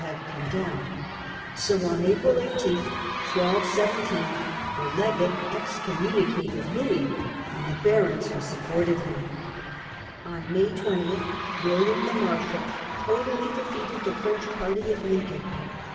had condemned; so on April 18, 1 2 17, the legate excommunicated Louis and the barons who supported him. On May 20, William the Marshal totally defeated the French party at Lincoln.